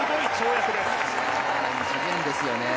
異次元ですよね。